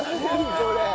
これ！